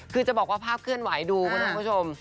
คือจะบอกว่าภาพเคลื่อนไหวดูคุณผู้ชม